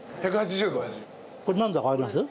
これ何度かわかります？